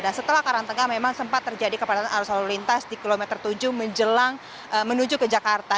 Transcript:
dan setelah karangtengah memang sempat terjadi kepadatan arus lalu lintas di kilometer tujuh menjelang menuju ke jakarta